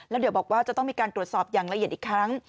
แล้วเดี๋ยวบอกว่าจะต้องมีการตรวจสอบอย่างละเอียดอีกครั้ง